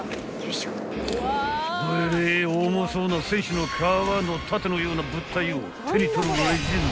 ［どえれえ重そうな戦士の皮の盾のような物体を手に取るレジェンド］